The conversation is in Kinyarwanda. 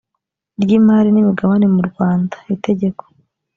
ry imari n imigabane mu rwanda itegeko